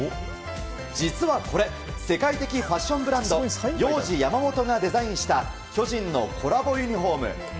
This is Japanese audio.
実はこれ世界的ファッションブランドヨウジヤマモトがデザインした巨人のコラボユニホーム。